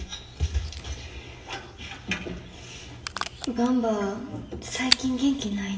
ばんば最近元気ないなぁ。